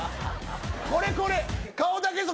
これこれ！